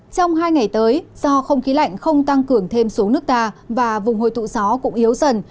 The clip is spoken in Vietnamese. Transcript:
trong hai ngày tới do không khí lạnh không tăng cường thêm xuống nước ta và vùng hồi tụ gió cũng yếu dần